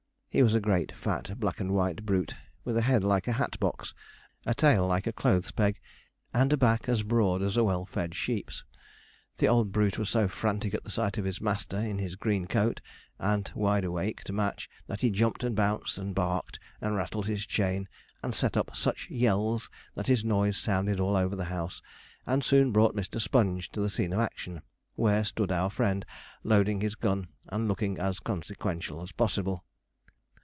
He was a great fat, black and white brute, with a head like a hat box, a tail like a clothes peg, and a back as broad as a well fed sheep's. The old brute was so frantic at the sight of his master in his green coat, and wide awake to match, that he jumped and bounced, and barked, and rattled his chain, and set up such yells, that his noise sounded all over the house, and soon brought Mr. Sponge to the scene of action, where stood our friend, loading his gun and looking as consequential as possible.